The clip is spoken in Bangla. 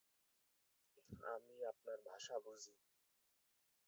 আমি আপনার ভাষা বুঝি।